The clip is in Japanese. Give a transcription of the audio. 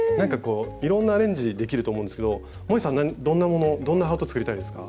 いろんなアレンジできると思うんですがもえさんどんなものどんなハートを作りたいですか？